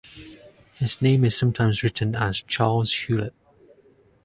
His name is sometimes written as Charles Hulet.